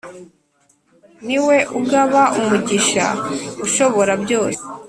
Niwe ugaba umugisha ashobora byose